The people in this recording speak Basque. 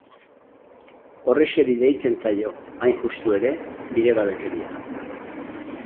Horrexeri deitzen zaio, hain justu ere, bidegabekeria.